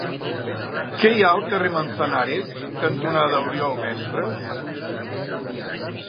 Què hi ha al carrer Manzanares cantonada Oriol Mestres?